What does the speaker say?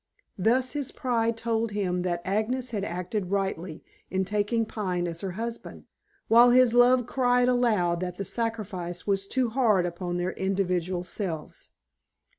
Thus his pride told him that Agnes had acted rightly in taking Pine as her husband, while his love cried aloud that the sacrifice was too hard upon their individual selves.